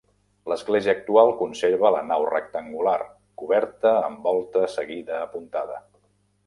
L'església actual conserva la nau rectangular, coberta amb volta seguida apuntada.